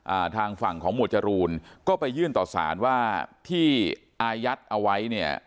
ทางฝั่งของหมวดจรูนก็ไปยื่นต่อสารว่าที่อายัดเอาไว้เนี่ย